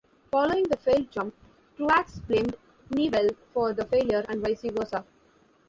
Following the failed jump, Truax blamed Knievel for the failure and vice versa.